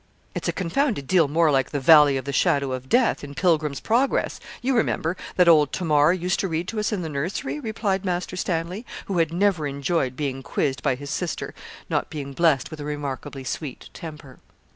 'It's a confounded deal more like the "Valley of the Shadow of Death," in "Pilgrim's Progress" you remember that old Tamar used to read to us in the nursery,' replied Master Stanley, who had never enjoyed being quizzed by his sister, not being blessed with a remarkably sweet temper.